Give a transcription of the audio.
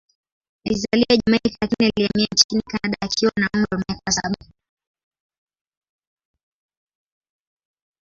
Alizaliwa Jamaika, lakini alihamia nchini Kanada akiwa na umri wa miaka saba.